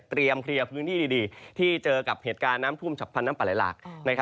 เคลียร์พื้นที่ดีที่เจอกับเหตุการณ์น้ำท่วมฉับพันธ์น้ำปลาไหลหลาก